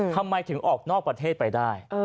ทำไมถึงออกนอกประเทศไปได้